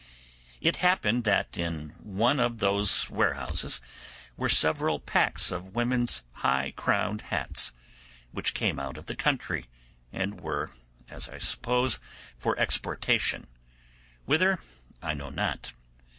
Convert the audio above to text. It happened that in one of these warehouses were several packs of women's high crowned hats, which came out of the country and were, as I suppose, for exportation: whither, I know not.